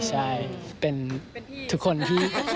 ใช่เป็นทุกคนที่